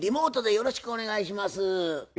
よろしくお願いします。